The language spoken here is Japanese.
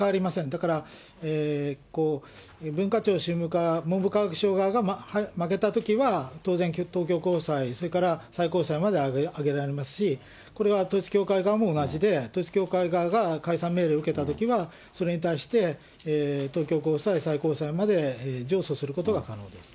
だから、文化庁宗務課、文科省側が、負けたときは、当然、東京高裁、最高裁まで上げられますし、これは統一教会側も同じで、統一教会側が解散命令を受けたときは、それに対して、東京高裁、最高裁まで上訴することが可能です。